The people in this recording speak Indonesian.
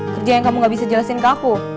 kerja yang kamu gak bisa jelasin ke aku